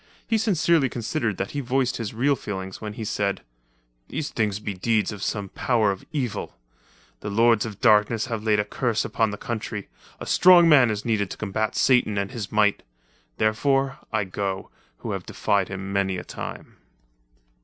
He sincerely considered that he voiced his real feelings when he said: "These things be deeds of some power of evil. The lords of darkness have laid a curse upon the country. A strong man is needed to combat Satan and his might. Therefore I go, who have defied him many a time."